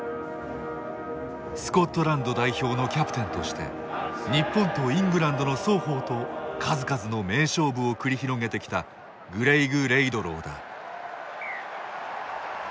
スコットランド代表のキャプテンとして日本とイングランドの双方と数々の名勝負を繰り広げてきたキャプテングレイグ・レイドローだ。